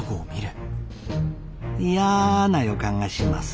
いやな予感がします。